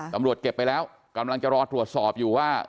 ตำรวจเก็บไปแล้วกำลังจะรอตรวจสอบอยู่ว่า